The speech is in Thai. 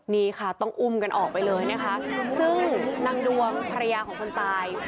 นี่ค่ะต้องอุ้มกันออกไปเลยนะคะซึ่งนางดวงภรรยาของคนตาย